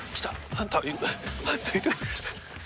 ハンターいる。